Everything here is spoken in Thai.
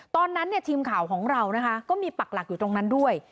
ตอนนั้นทีมข่าวของเรานะคะก็มีปักหลักอยู่ตรงนั้นด้วย